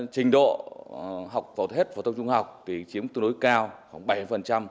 trình độ học vào thết và tâm trung học chiếm tương đối cao khoảng bảy mươi